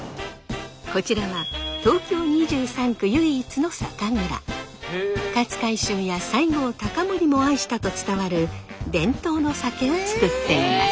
こちらは勝海舟や西郷隆盛も愛したと伝わる伝統の酒を造っています。